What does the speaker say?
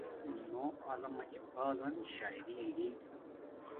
نو علامہ اقبالن شاعر تا ارین